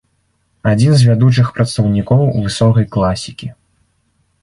Адзін з вядучых прадстаўнікоў высокай класікі.